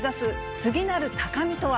次なる高みとは。